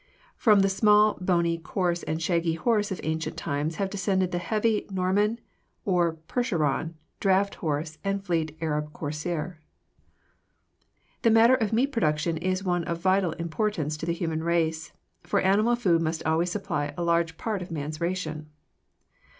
From the small, bony, coarse, and shaggy horse of ancient times have descended the heavy Norman, or Percheron, draft horse and the fleet Arab courser. The matter of meat production is one of vital importance to the human race, for animal food must always supply a large part of man's ration.